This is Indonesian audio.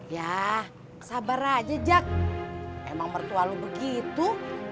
ya sabar aja jak emang mertua lu begitu